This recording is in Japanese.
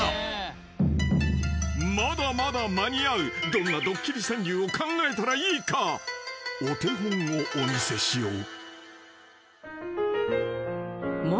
［どんなドッキリ川柳を考えたらいいかお手本をお見せしよう］